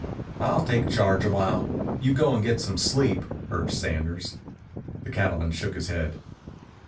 "I'll take charge awhile. You go and get some sleep," urged Sanders. The cattleman shook his head.